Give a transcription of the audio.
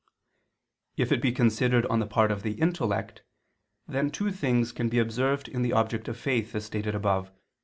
If it be considered on the part of the intellect, then two things can be observed in the object of faith, as stated above (Q.